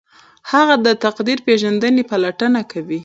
هغه د تقدیر پیژندنې پلټنه کوي.